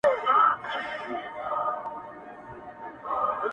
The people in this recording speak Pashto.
د طاقت له تنستې یې زړه اودلی!.